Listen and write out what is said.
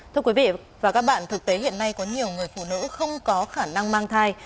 thưa quý vị và các bạn thực tế hiện nay có nhiều người phụ nữ không có khả năng mang thai